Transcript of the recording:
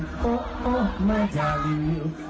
สุดยอดมาก